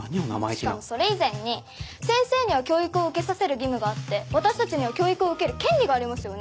しかもそれ以前に先生には教育を受けさせる義務があって私たちには教育を受ける権利がありますよね？